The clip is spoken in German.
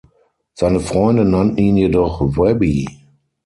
Seine Freunde nannten ihn jedoch Webby.